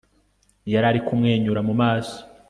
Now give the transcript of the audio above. yarari kumwenyura mu maso